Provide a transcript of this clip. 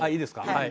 はい。